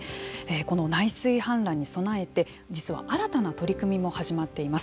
この内水氾濫に備えて実は新たな取り組みも始まっています。